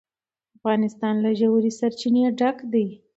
افغانستان له ژورې سرچینې ډک دی.